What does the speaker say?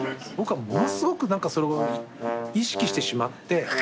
僕はものすごく何かそれを意識してしまって。